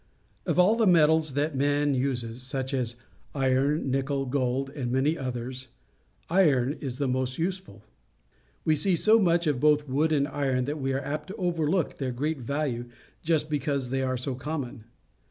— Of all the metals that man uses, such as iron, nickel, gold, and manj' others, iron is the most useful. We see so much of both wood and iron that we are apt to overlook their great value just because they are so common.